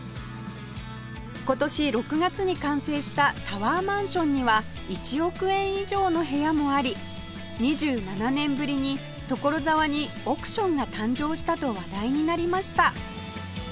今年６月に完成したタワーマンションには１億円以上の部屋もあり２７年ぶりに所沢に億ションが誕生したと話題になりました